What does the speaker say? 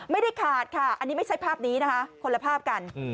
ไม่ได้ขาดค่ะอันนี้ไม่ใช่ภาพนี้นะคะคนละภาพกัน